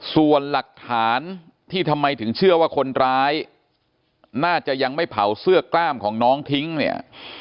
ส่วนหลักฐานที่ทำไมถึงเชื่อว่าคนร้ายน่าจะยังไม่เผาเสื้อกล้ามของน้องทิ้งเนี่ย